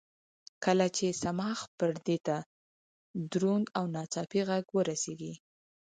کله چې صماخ پردې ته دروند او ناڅاپي غږ ورسېږي.